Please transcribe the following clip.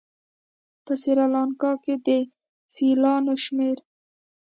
په سریلانکا کې د فیلانو شمېر